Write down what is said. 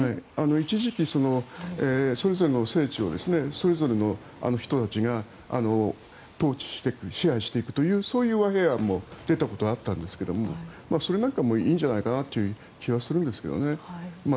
一時期、それぞれの聖地をそれぞれの人たちが統治して、支配していくという和平案も出たことがあったんですけどそれなんかもいいんじゃないかなという気はするんですけどね。